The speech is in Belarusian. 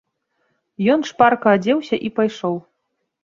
Ён шпарка адзеўся і пайшоў.